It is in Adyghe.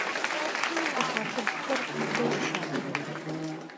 Ку хьафыбгхэр тыдэ зыщатрэр?